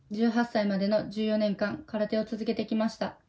１８歳までの１４年間空手を続けてきました。